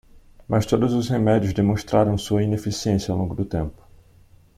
Mas todos os remédios demonstraram sua ineficiência ao longo do tempo.